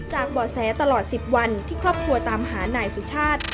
เบาะแสตลอด๑๐วันที่ครอบครัวตามหานายสุชาติ